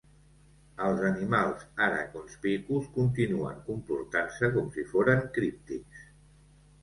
Els animals ara conspicus continuen comportant-se com si foren críptics.